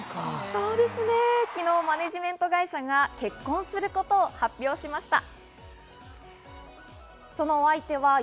昨日、マネジメント会社が結婚することを発表しました。